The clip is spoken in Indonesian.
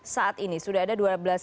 saat ini sudah ada